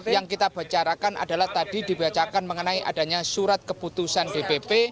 yang kita bicarakan adalah tadi dibacakan mengenai adanya surat keputusan dpp